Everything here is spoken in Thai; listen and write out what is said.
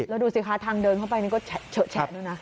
แล้วดูสิคะทางเดินเข้าไปนี่ก็เฉอะแฉะด้วยนะ